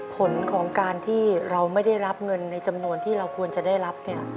ผลของการที่เราไม่ได้รับเงินในจำนวนที่เราควรจะได้รับ